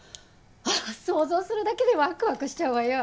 ああ想像するだけでワクワクしちゃうわよ。